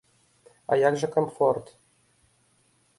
А як жа камфорт?